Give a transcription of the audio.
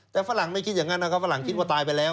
แต่ฝรั่งไม่คิดอย่างนั้นนะครับฝรั่งคิดว่าตายไปแล้ว